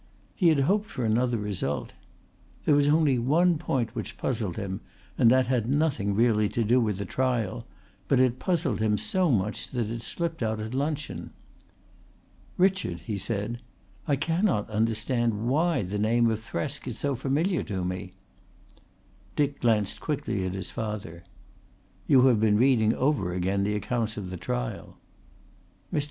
He had hoped for another result. There was only one point which puzzled him and that had nothing really to do with the trial, but it puzzled him so much that it slipped out at luncheon. "Richard," he said, "I cannot understand why the name of Thresk is so familiar to me." Dick glanced quickly at his father. "You have been reading over again the accounts of the trial." Mr.